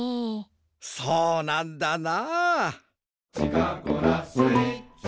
そうなんだな。